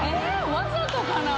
わざとかな？